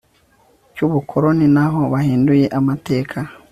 cy ubukoloni aho bahinduye amateka